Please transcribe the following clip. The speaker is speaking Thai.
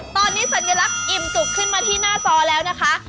ตอนนี้สัญลักษณ์อิ่มจุกขึ้นมาที่หน้าจอแล้วนะคะ